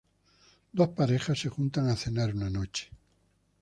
Dos parejas se juntan a cenar una noche.